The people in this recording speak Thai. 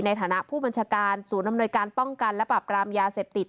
ในฐานะผู้บัญชาการศูนย์อำนวยการป้องกันและปรับรามยาเสพติด